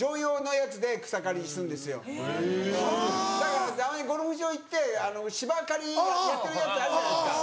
だからたまにゴルフ場行って芝刈りやってるやつあるじゃないですか。